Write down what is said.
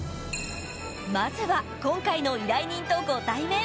まずは今回の依頼人とご対面